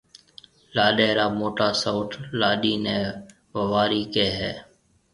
لاڏيَ را موٽا سئوٽ لاڏيِ نَي ووارِي ڪهيَ هيَ۔